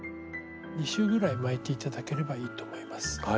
２周ぐらい巻いて頂ければいいと思います。